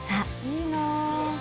「いいな」